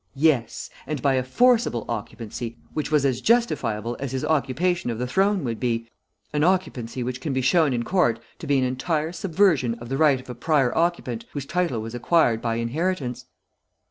Yes, and by a forcible occupancy which was as justifiable as his occupation of the throne would be, an occupancy which can be shown in court to be an entire subversion of the right of a prior occupant whose title was acquired by inheritance."